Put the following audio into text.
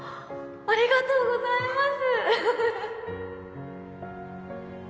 ありがとうございます